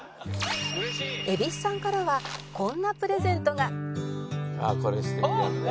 「蛭子さんからはこんなプレゼントが」あっ！